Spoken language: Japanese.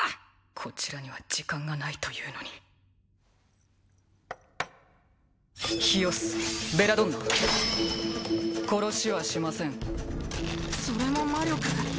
こちらには時間がないというのにヒヨスベラドンナ殺しはしませんそれも魔力？